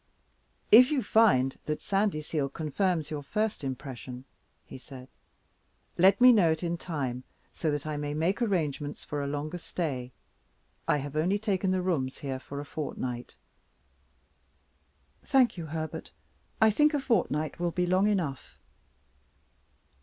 "If you find that Sandyseal confirms your first impression," he said, "let me know it in time, so that I may make arrangements for a longer stay. I have only taken the rooms here for a fortnight." "Thank you, Herbert; I think a fortnight will be long enough."